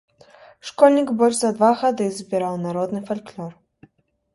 Школьнік больш за два гады збіраў народны фальклор.